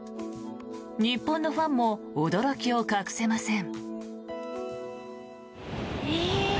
日本のファンも驚きを隠せません。